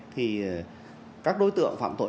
thì các đối tượng phạm tội